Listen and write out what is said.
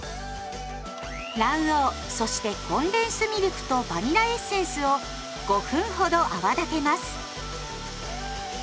卵黄そしてコンデンスミルクとバニラエッセンスを５分ほど泡立てます。